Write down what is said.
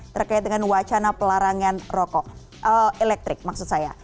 terkait dengan wacana pelarangan rokok elektrik maksud saya